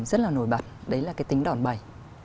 rất là nổi bật đấy là cái tính đòn bẩy